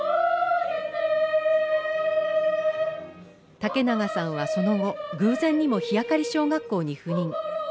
竹永さんはその後、偶然にも日明小学校に赴任。